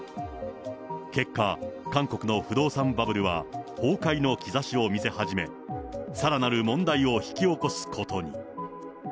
結果、韓国の不動産バブルは崩壊の兆しを見せ始め、さらなる問題を引き起こすことに。